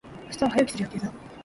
明日は早起きする予定だ。